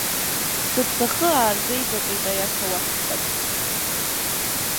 Сыԥсахы аарзеибакит, аиаша уасҳәап.